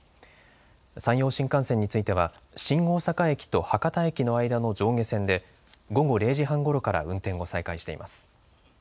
山陽新幹線については新大阪駅と博多駅の間の上下線で午後０時半ごろから運転を再開しています。